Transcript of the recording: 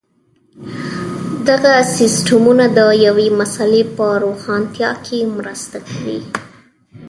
دغه سیسټمونه د یوې مسئلې په روښانتیا کې مرسته کوي.